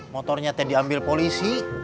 motornya tadi ambil polisi